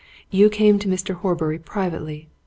"You came to Mr. Horbury privately.